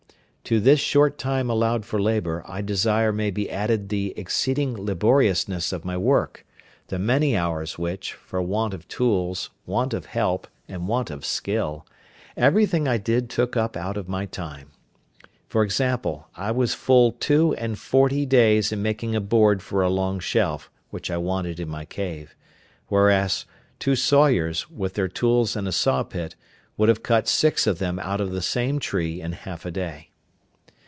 To this short time allowed for labour I desire may be added the exceeding laboriousness of my work; the many hours which, for want of tools, want of help, and want of skill, everything I did took up out of my time. For example, I was full two and forty days in making a board for a long shelf, which I wanted in my cave; whereas, two sawyers, with their tools and a saw pit, would have cut six of them out of the same tree in half a day.